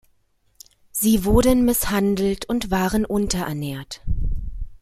Sie wurden misshandelt und waren unterernährt.